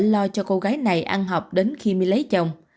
lo cho cô gái này ăn học đến khi mới lấy chồng